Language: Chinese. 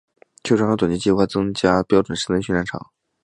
球场有短期计划增加标准室内训练场。